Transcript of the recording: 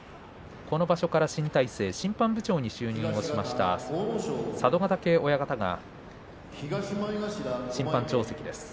この場所から新体制審判部長に就任した佐渡ヶ嶽親方が審判長席です。